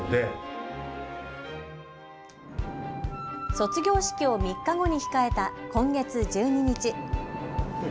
卒業式を３日後に控えた今月１２日。